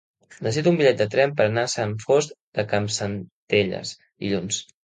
Necessito un bitllet de tren per anar a Sant Fost de Campsentelles dilluns.